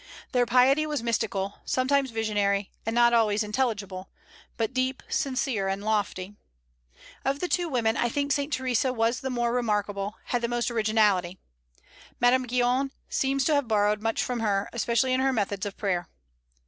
Their piety was mystical, sometimes visionary, and not always intelligible, but deep, sincere, and lofty. Of the two women, I think Saint Theresa was the more remarkable, and had the most originality. Madame Guyon seems to have borrowed much from her, especially in her methods of prayer.